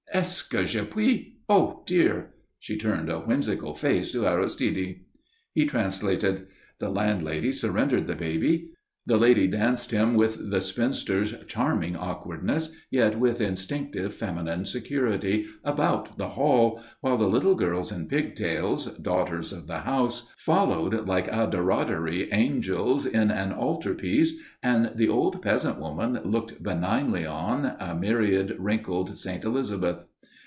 Est ce que je puis oh, dear!" She turned a whimsical face to Aristide. He translated. The landlady surrendered the babe. The lady danced him with the spinster's charming awkwardness, yet with instinctive feminine security, about the hall, while the little girls in pigtails, daughters of the house, followed like adoratory angels in an altar piece, and the old peasant woman looked benignly on, a myriad wrinkled St. Elizabeth.